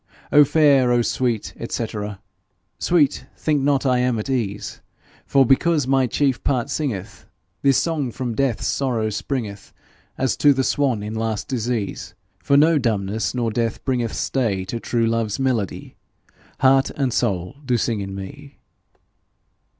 O fair, O sweet, &c. Sweet, think not I am at ease, For because my chief part singeth; This song from death's sorrow springeth, As to Swan in last disease; For no dumbness nor death bringeth Stay to true love's melody: Heart and soul do sing in me.